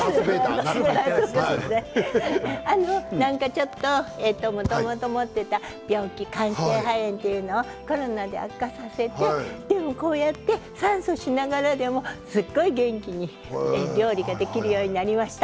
ちょっともともと持っていた病気間質性肺炎というのをコロナで悪化させてでもこうやって酸素をしながらでもすごい元気に料理ができるようになりました。